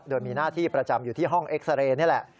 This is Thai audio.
โดยมีหน้าที่ประจำอยู่ที่ห้องเอ็กซาเรย์นี่แหละ